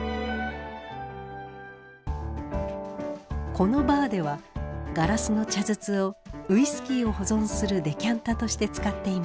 このバーではガラスの茶筒をウイスキーを保存するデキャンタとして使っています。